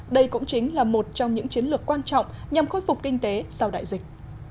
đây cũng chính là một trong những chiến lược quan trọng nhằm khôi phục kinh tế sau đại dịch